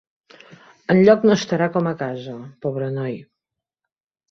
Enlloc no estarà com a casa, pobre noi.